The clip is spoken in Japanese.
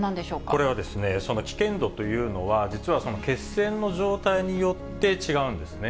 これは、その危険度というのは、実は血栓の状態によって違うんですね。